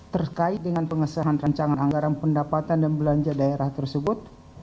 terkait dengan pengesahan rancangan anggaran pendapatan dan belanja daerah tersebut